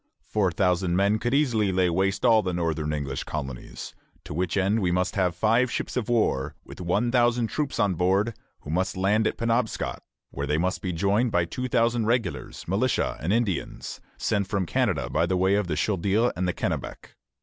Four thousand men could easily lay waste all the northern English colonies, to which end we must have five ships of war, with one thousand troops on board, who must land at Penobscot, where they must be joined by two thousand regulars, militia, and Indians, sent from Canada by way of the Chaudière and the Kennebec.